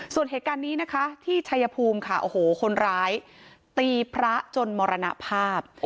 ส่วนเหตุการณ์ที่ชายพูมคนร้ายตีพระจนมารรนะภาพ